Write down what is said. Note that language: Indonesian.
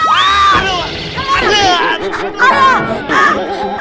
aduh aduh aduh aduh